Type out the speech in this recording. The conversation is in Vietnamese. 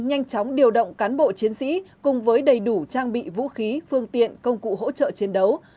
nhanh chóng điều động cán bộ chiến sĩ cùng với đầy đủ trang bị vũ khí phương tiện công cụ hỗ trợ chiến đấu